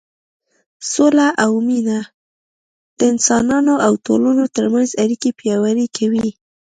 سوله او مینه د انسانانو او ټولنو تر منځ اړیکې پیاوړې کوي.